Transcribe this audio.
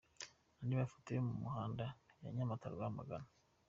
Andi mafoto yo mu muhanda wa Nyamata-Rwamagana.